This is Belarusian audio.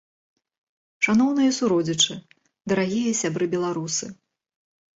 Шаноўныя суродзічы, дарагія сябры беларусы!